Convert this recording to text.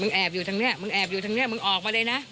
แล้วก็ลุกลามไปยังตัวผู้ตายจนถูกไฟคลอกนะครับ